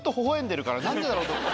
何でだろうと。